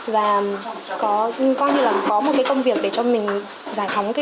và có như là có một công việc để cho mình giải phóng cơ thể